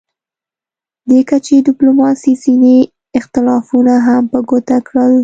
دې کچې ډیپلوماسي ځینې اختلافونه هم په ګوته کړل